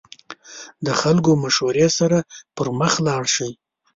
د خلکو مشورې سره پرمخ لاړ شئ.